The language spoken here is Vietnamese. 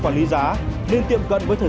vừa đáp ứng được một hàng